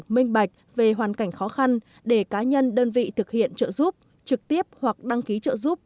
minh bạch về hoàn cảnh khó khăn để cá nhân đơn vị thực hiện trợ giúp trực tiếp hoặc đăng ký trợ giúp